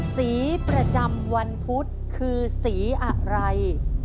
สีประจำวันพุธคือสีอะไร